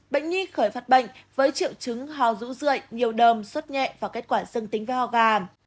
bệnh nhi khởi phát bệnh với triệu chứng ho rũ rượi nhiều đơm xuất nhẹ và kết quả dâng tính với ho gà